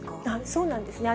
そうなんですね。